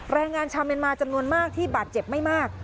แรงงานชาวเมียนมาจำนวนมากที่บาดเจ็บไม่มาก